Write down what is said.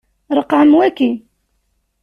Ṛeqqɛem waki.